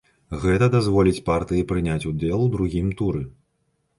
Гэта дазволіць партыі прыняць удзел у другім туры.